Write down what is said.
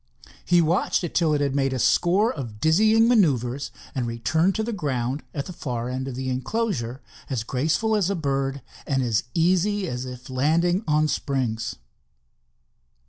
He watched it till it had made a score of dizzying manoeuvres, and returned to the ground at the far end of the enclosure as graceful as a bird and as easily as if landing on springs.